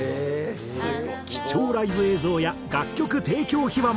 貴重ライブ映像や楽曲提供秘話も。